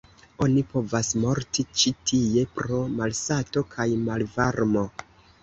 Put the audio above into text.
Oni povas morti ĉi tie pro malsato kaj malvarmo.